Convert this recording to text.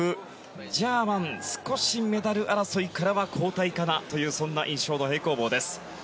ジャーマン、少しメダル争いからは後退かというそんな印象の平行棒です。